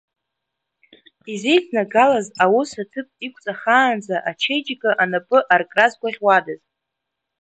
Иззеиднагалаз аус аҭыԥ иқәҵахаанӡа, ачеиџьыка анапы аркра згәаӷьуадаз.